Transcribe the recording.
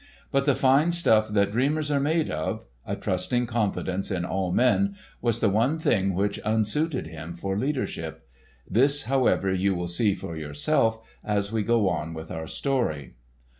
But the fine stuff that dreamers are made of—a trusting confidence in all men—was the one thing which unsuited him for leadership. This, however, you will see for yourself as we go on with our story.